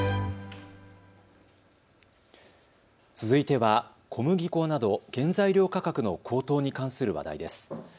続いては小麦粉など原材料価格の高騰に関する話題です。